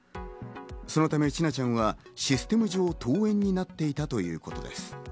そのため千奈ちゃんはシステム上、登園になっていたということです。